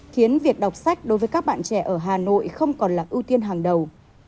khiến việc đọc sách đối với các bạn trẻ ở hà nội không còn là ưu tiên hàng đầu